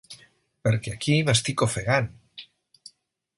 Perquè aquí m’estic ofegant.